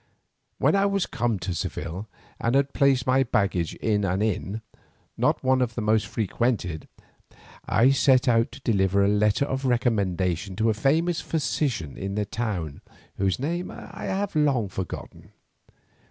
When I was come to Seville, and had placed my baggage in an inn, not one of the most frequented, I set out to deliver a letter of recommendation to a famous physician of the town whose name I have long forgotten.